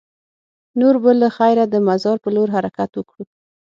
نور به له خیره د مزار په لور حرکت وکړو.